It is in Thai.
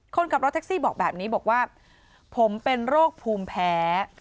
คนขับรถแท็กซี่บอกแบบนี้บอกว่าผมเป็นโรคภูมิแพ้